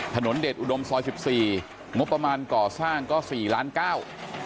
ถนนเด็ดอุดม๑๔มผมก่อสร้างก็๔ล้านก้าว